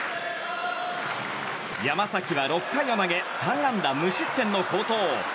山崎は６回を投げ３安打無失点の好投。